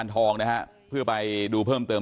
ทองนะฮะเพื่อไปดูเพิ่มเติม